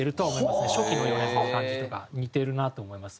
初期の米津の感じとか似てるなと思います。